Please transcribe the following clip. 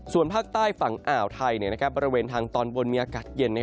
ส่วนภาคใต้ฝั่งอ่าวไทยบริเวณทางตอนบนมีอากาศเย็น